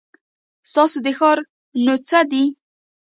ستاسو د ښار نو څه دی ؟